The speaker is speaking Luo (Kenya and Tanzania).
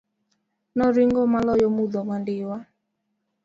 Noring'o maloyo mudho mandiwa.